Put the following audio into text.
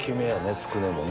つくねもね。